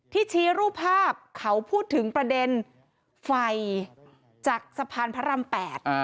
ชี้รูปภาพเขาพูดถึงประเด็นไฟจากสะพานพระราม๘